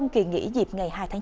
khi nghỉ dịp ngày hai tháng chín